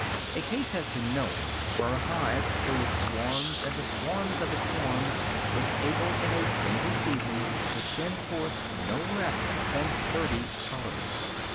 A case has been known where a hive, through its swarms and the swarms of its swarms, was able in a single season to send forth no less than thirty colonies.